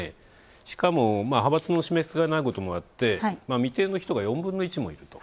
しかも、派閥の占めしがないこともあって未定の人が４分の１もいると。